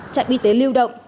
trạng y tế lưu động